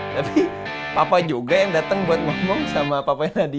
tapi papa juga yang datang buat ngomong sama papanya nadi